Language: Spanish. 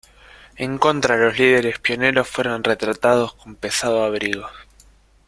En contra, los líderes pioneros fueron retratados con pesados abrigos.